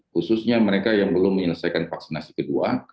khususnya mereka yang belum menyelesaikan vaksinasi kedua